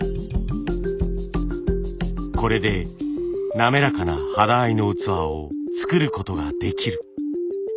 これで滑らかな肌合いの器を作ることができる。